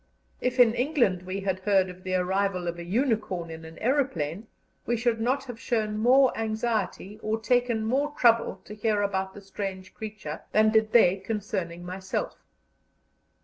If in England we had heard of the arrival of a "unicorn" in an aeroplane, we should not have shown more anxiety or taken more trouble to hear about the strange creature than did they concerning myself.